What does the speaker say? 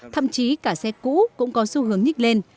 thậm chí cả xe cũ cũng có xu hướng nhích lên